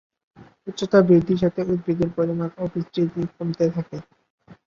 উচ্চতা বৃদ্ধির সাথে সাথে উদ্ভিদের পরিমাণ ও বিস্তৃতি কমতে থাকে।